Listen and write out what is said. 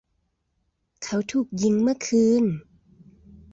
เขาถูกยิงเมื่อคืน